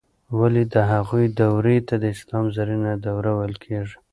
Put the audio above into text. ولې د هغوی دورې ته د اسلام زرینه دوره ویل کیږي؟